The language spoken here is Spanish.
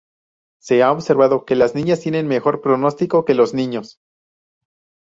Se ha observado que las niñas tienen mejor pronóstico que los niños.